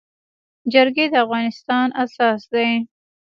جرګي د افغانستان اساس دی.